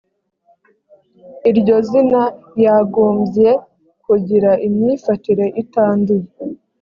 iryo zina yagombye kugira imyifatire itanduye